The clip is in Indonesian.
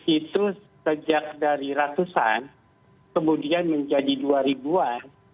itu sejak dari ratusan kemudian menjadi dua ribuan